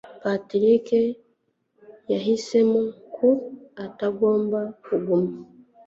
patrick yahisemo ko atagomba kuguma